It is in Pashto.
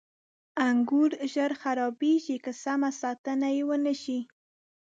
• انګور ژر خرابېږي که سمه ساتنه یې ونه شي.